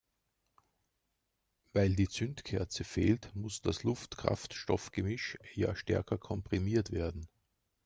Weil die Zündkerze fehlt, muss das Luft-Kraftstoff-Gemisch ja stärker komprimiert werden.